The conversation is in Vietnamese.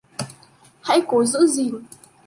Hãy cố giữ gìn